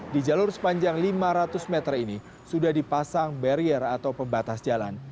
di jalur sepanjang lima ratus meter ini sudah dipasang barrier atau pembatas jalan